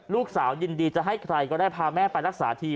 ยินดีจะให้ใครก็ได้พาแม่ไปรักษาที